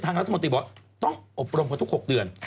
ทางรัฐมนตร์บอกต้องอบรมคนทุก๖เดือน